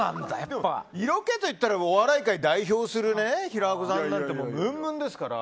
色気といったらお笑い界を代表する平子さんなんて色気ムンムンですから。